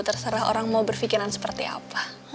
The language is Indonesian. terserah orang mau berpikiran seperti apa